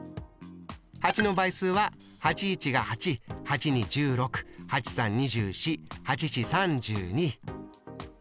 ８の倍数は８１が８８２１６８３２４８４３２。